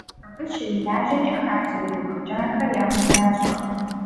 Абы щрилажьэкӀэ, хабзэ пыухыкӀахэр ягъэзащӀэ.